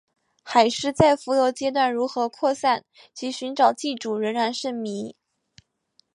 海虱在浮游阶段如何扩散及寻找寄主仍然是迷。